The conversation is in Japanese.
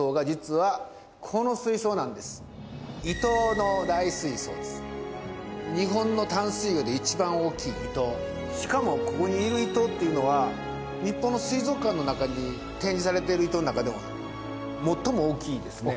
さらにさらに日本の淡水魚で一番大きいイトウしかもここにいるイトウっていうのは日本の水族館の中に展示されてるイトウの中でも最も大きいですね